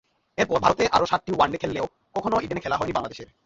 এরপর ভারতে আরও সাতটি ওয়ানডে খেললেও কখনো ইডেনে খেলা হয়নি বাংলাদেশের।